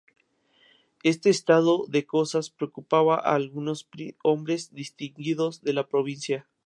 Este estado de cosas preocupaba a algunos hombres distinguidos de la provincia.